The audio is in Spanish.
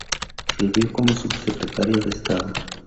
Sirvió como Subsecretario de Estado.